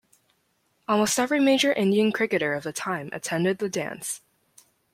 Almost every major Indian cricketer of the time attended the dance.